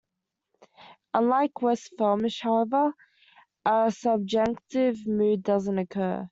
Unlike West Flemish however a subjunctive mood doesn't occur.